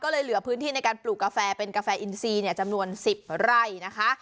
ก็เลยเหลือพื้นที่ในการปลูกกาแฟเป็นกาแฟอินซีจำนวน๑๐ไร่นะคะ